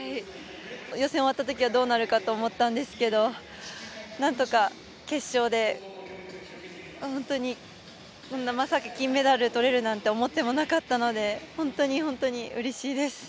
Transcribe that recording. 予選が終わった時はどうなるかと思ったんですがなんとか決勝で本当にこんなまさか金メダルを取れるなんて思ってもなかったので本当に本当にうれしいです。